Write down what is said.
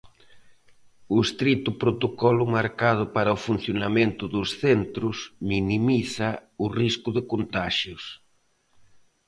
O estrito protocolo marcado para o funcionamento dos centros minimiza o risco de contaxios.